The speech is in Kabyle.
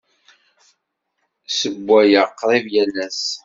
Ssewwayeɣ qrib yal ass.